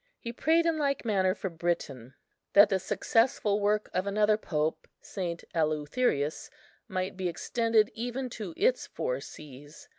He prayed in like manner for Britain, that the successful work of another Pope, St. Eleutherius, might be extended even to its four seas.